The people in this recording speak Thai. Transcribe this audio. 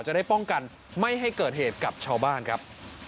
จะได้ป้องกันไม่ให้เกิดเหตุกับชาวบ้านครับ